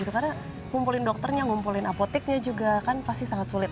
karena ngumpulin dokternya ngumpulin apoteknya juga kan pasti sangat sulit